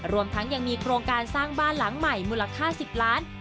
รวมทั้งยังมีโครงการสร้างบ้านหลังใหม่มูลค่า๑๐ล้าน